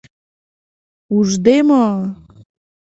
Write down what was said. — Ужде мо!